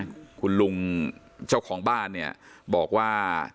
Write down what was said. คุณลุงเจ้าของบ้านเนี่ยบอกว่า